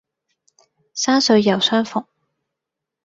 山水有相逢